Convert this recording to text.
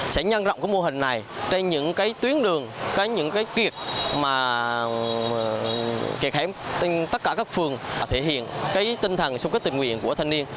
sẽ nhân rộng mô hình này trên những tuyến đường những kiệt hẻm tất cả các phường thể hiện tinh thần xung kết tình nguyện của thanh niên